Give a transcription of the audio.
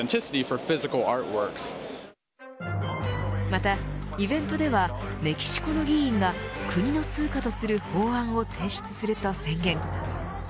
またイベントではメキシコの議員が国の通貨とする法案を提出すると宣言。